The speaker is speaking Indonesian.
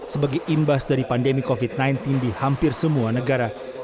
sebagai imbas dari pandemi covid sembilan belas di hampir semua negara